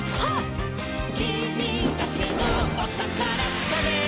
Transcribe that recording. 「きみだけのおたからつかめ！」